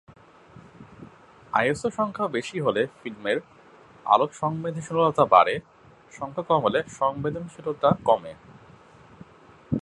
ISO সংখ্যা বেশি হলে ফিল্মের আলোক-সংবেদনশীলতা বাড়ে, সংখ্যা কম হলে সংবেদনশীলতা কমে।